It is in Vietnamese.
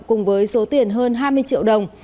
cùng với số tiền hơn hai mươi triệu đồng